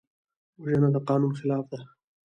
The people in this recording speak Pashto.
وژنه د قانون خلاف ده